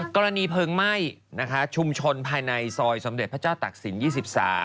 กรณีเพลิงไหม้นะคะชุมชนภายในซอยสมเด็จพระเจ้าตักศิลป์๒๓